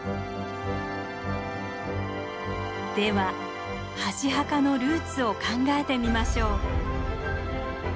では箸墓のルーツを考えてみましょう。